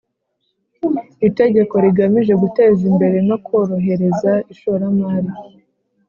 Itegeko rigamije guteza imbere no korohereza ishoramari